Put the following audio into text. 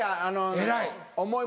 偉い。